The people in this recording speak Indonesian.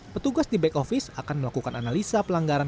petugas di back office akan melakukan analisa pelanggaran